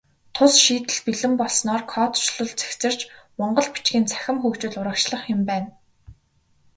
Тус шийдэл бэлэн болсноор кодчилол цэгцэрч, монгол бичгийн цахим хөгжил урагшлах юм байна.